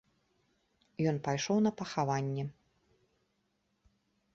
Ён пайшоў на пахаванне.